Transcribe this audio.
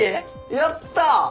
やったぁ！